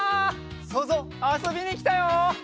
そうぞうあそびにきたよ！